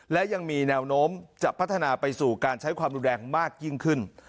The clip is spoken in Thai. และยังมีแนวโน้มจะพัฒนาไปสู่การใช้ความรุนแรงมากยิ่งขึ้น